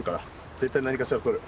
絶対何かしらとる。